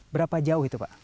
berapa jauh itu pak